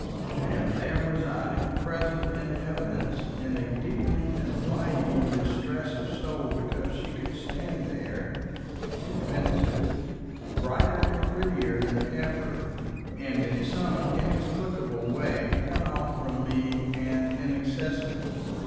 And there was I, present in evidence, in a deepening and widening distress of soul because she could stand there, defensive, brighter and prettier than ever, and in some inexplicable way cut off from me and inaccessible.